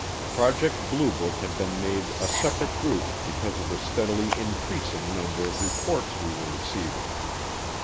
Project Blue Book had been made a separate group because of the steadily increasing number of reports we were receiving.